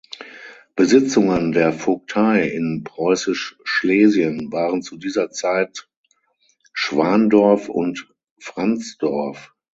Besitzungen der Vogtei in Preußisch Schlesien waren zu dieser Zeit Schwandorf und Franzdorf.